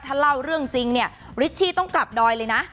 ถ้าเล่าเรื่องจริงเนี่ยริชชี่ต้องกลับดอยเลยนะ